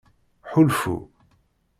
Ḥulfu.